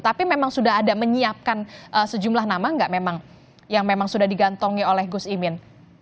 tapi memang sudah ada menyiapkan sejumlah nama nggak memang yang memang sudah digantongi oleh gus imin